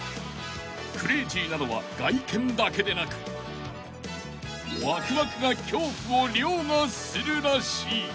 ［クレイジーなのは外見だけでなくワクワクが恐怖を凌駕するらしい］